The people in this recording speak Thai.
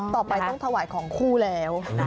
ต่อไปต้องถวายของคู่แล้ว